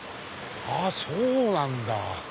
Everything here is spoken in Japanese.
そうなんだ。